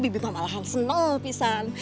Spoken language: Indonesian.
bebi mah malahan senang pisan